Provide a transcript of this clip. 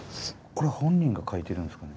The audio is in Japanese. これは本人が書いてるんですかね？